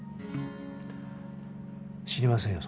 知りませんよ